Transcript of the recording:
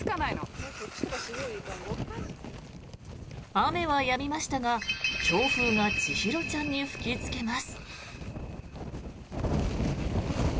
雨はやみましたが、強風が千尋ちゃんに吹きつけます。